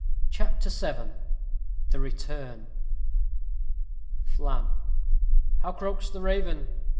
CHAPTER VII THE RETURN Flam. How croaks the raven?